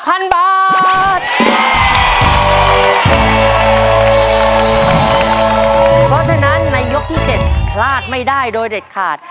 เพราะฉะนั้นในยกที่๗พลาดไม่ได้โดยเด็ดขาด